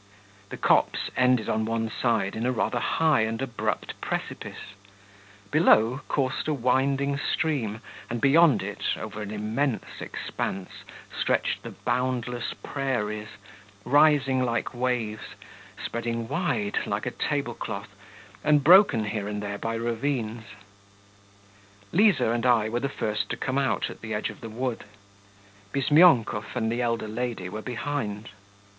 The copse ended on one side in a rather high and abrupt precipice; below coursed a winding stream, and beyond it, over an immense expanse, stretched the boundless prairies, rising like waves, spreading wide like a table cloth, and broken here and there by ravines. Liza and I were the first to come out at the edge of the wood; Bizmyonkov and the elder lady were behind.